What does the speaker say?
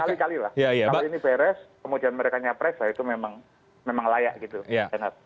kalau ini beres kemudian mereka nyapres itu memang layak